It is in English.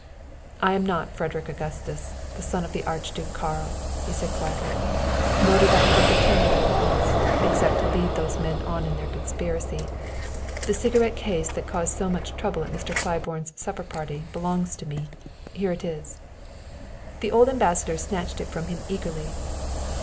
"I am not Frederick Augustus, the son of the Archduke Karl," he said quietly; "nor did I ever pretend that I was, except to lead those men on in their conspiracy. The cigarette case that caused so much trouble at Mr. Claiborne's supper party belongs to me. Here it is." The old Ambassador snatched it from him eagerly.